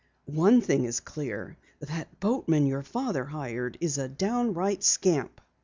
"One thing is clear. That boatman your father hired is a downright scamp."